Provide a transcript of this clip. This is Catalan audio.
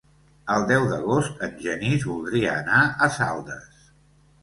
El deu d'agost en Genís voldria anar a Saldes.